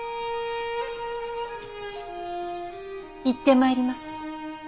行ってまいります。